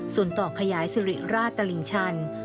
สูตรต่อขยายสริราชตลิงชัน